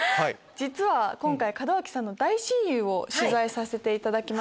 実は今回門脇さんの大親友を取材させていただきました。